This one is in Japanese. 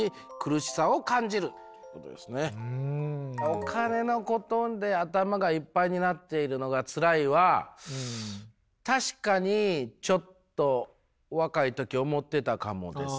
「お金のことで頭がいっぱいになっているのがつらい」は確かにちょっと若い時思ってたかもですね。